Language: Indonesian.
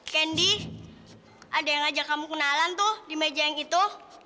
kendy ada yang ngajak kamu kenalan tuh di meja yang itu